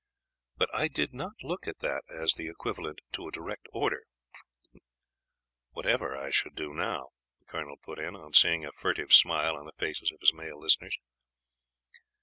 But I did not look at that as equivalent to a direct order whatever I should do now," the colonel put in, on seeing a furtive smile on the faces of his male listeners.